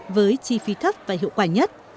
với chi phí thấp và hiệu quả nhất